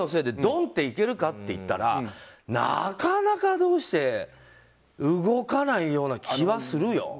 でどんっていけるかと言ったらなかなかどうして動かないような気はするよ。